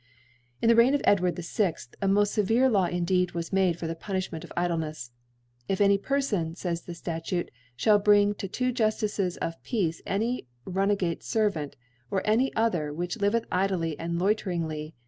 In ( loi ) In the Reign of * Edward VI, a moft fc vere Law, indeed, was made for the Pur nifhmentof Idlencfs. —' IfanyPerfon (fays the Statute) Ihall bring to two Juftices'of Peace any runagate Servant, or any other, which liveth idly and loiteringly.